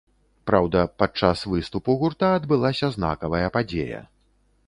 Праўда, падчас выступу гурта адбылася знакавая падзея.